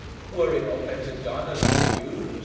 Were it not better done, as others use?